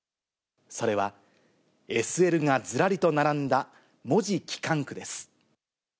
それは、ＳＬがずらりと並んだ、門司機関区です。